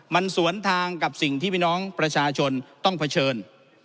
มันสวนทางกับสิ่งที่พี่น้องประชาชนต้องเผชิญ